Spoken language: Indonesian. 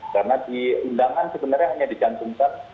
karena di undangan sebenarnya hanya dicantumkan